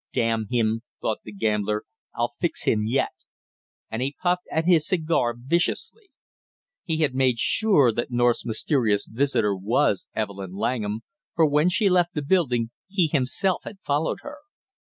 "Damn him!" thought the gambler. "I'll fix him yet!" And he puffed at his cigar viciously. He had made sure that North's mysterious visitor was Evelyn Langham, for when she left the building he himself had followed her.